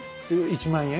１万円？